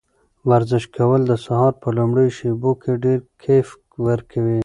ورزش کول د سهار په لومړیو شېبو کې ډېر کیف ورکوي.